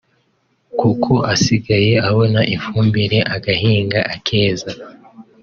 kuko asigaye abona ifumbire agahinga akeza